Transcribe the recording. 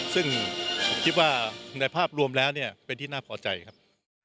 ซึ่งคิดว่าในภาพรวมแล้วเนี่ยเป็นที่น่าพอใจครับ